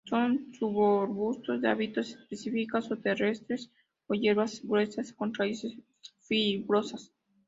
Son subarbustos de hábitos epífitas o terrestres o hierbas gruesas con raíces fibrosas.